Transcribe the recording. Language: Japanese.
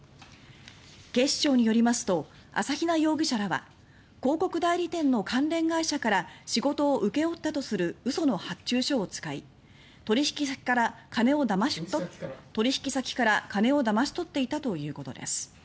警視庁によりますと朝比奈容疑者らは広告代理店の関連会社から仕事を請け負ったとする嘘の発注書を使い取引先から金をだまし取っていたということです。